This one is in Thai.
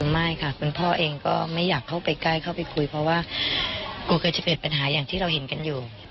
ไม่ค่ะคุณพ่อเองก็ไม่อยากเข้าไปใกล้เข้าไปคุยเพราะว่ากลัวเกิดจะเป็นปัญหาอย่างที่เราเห็นกันอยู่